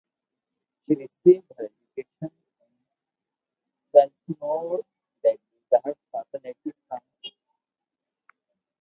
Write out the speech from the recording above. She received her education in Baltimore and in her father's native France.